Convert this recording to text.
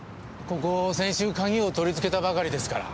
ここ先週鍵を取り付けたばかりですから。